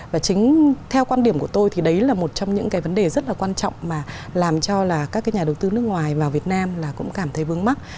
và chính theo quan điểm của tôi thì đấy là một trong những cái vấn đề rất là quan trọng mà làm cho là các cái nhà đầu tư nước ngoài vào việt nam là cũng cảm thấy vướng mắt